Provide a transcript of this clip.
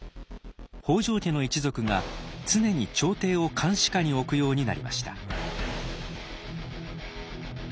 北条家の一族が常に朝廷を監視下に置くようになりました。